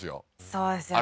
そうですよね